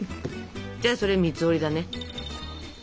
じゃあそれ三つ折りだね。